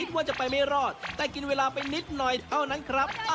ว่าจะไปไม่รอดแต่กินเวลาไปนิดหน่อยเท่านั้นครับ